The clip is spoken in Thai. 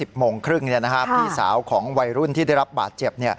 พี่สาวของวัยรุ่นที่ได้รับบาดเจ็บ